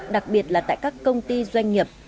đặc biệt là tại các công ty doanh nghiệp